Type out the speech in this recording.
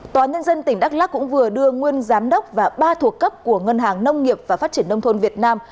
tòa nhân dân tỉnh đắk lắc cũng vừa đưa nguyên giám đốc và ba thuộc cấp của ngân hàng nông nghiệp và phát triển nông thôn việt nam